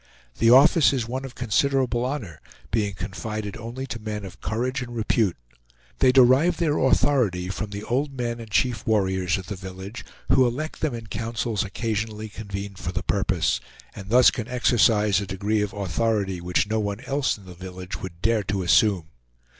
The office is one of considerable honor, being confided only to men of courage and repute. They derive their authority from the old men and chief warriors of the village, who elect them in councils occasionally convened for the purpose, and thus can exercise a degree of authority which no one else in the village would dare to assume.